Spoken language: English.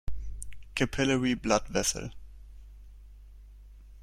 Capillary blood vessel.